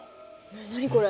何これ？